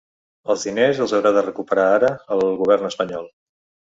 Els diners els haurà de recuperar, ara, el govern espanyol.